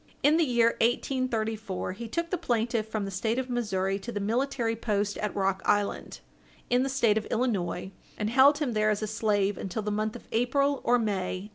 In the year 1834, he took the plaintiff from the State of Missouri to the military post at Rock Island, in the State of Illinois, and held him there as a slave until the month of April or May, 1836.